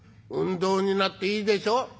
「運動になっていいでしょう？」。